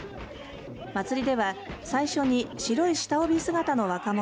祭りでは最初に広い下帯姿の若者